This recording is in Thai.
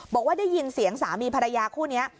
บอกว่าได้ยินเสียงสามีภรรยาคู่นี้